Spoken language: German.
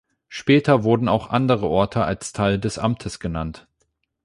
Später wurden auch andere Orte als Teil des Amtes genannt.